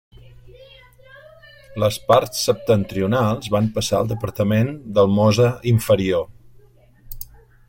Les parts septentrionals van passar al departament del Mosa Inferior.